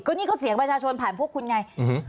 นี่ก็เสียงประชาชนผ่านพวกคุณไง